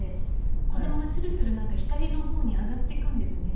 子供がスルスル光の方に上がっていくんですね。